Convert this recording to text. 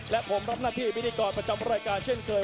และผมรับหน้าที่พิธีกรประจำรายการเช่นเคย